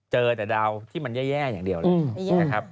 เจอแต่ดาวที่มันแย่อย่างเดียวเลยนะครับ